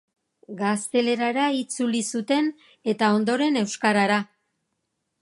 Gaztelerara itzuli zuten, eta ondoren euskarara.